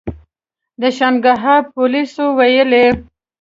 د شانګهای پولیسو ویلي